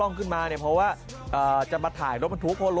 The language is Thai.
วิทยาลัยศาสตร์อัศวิทยาลัยศาสตร์